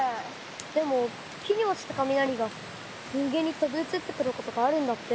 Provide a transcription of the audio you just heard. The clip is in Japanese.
でも木に落ちた雷が人間にとびうつってくる事があるんだって。